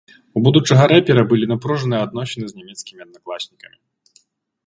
У будучага рэпера былі напружаныя адносіны з нямецкімі аднакласнікамі.